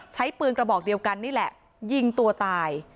ใช้ปืนกระบอกเดียวกันนี่แหละยิงตัวตาย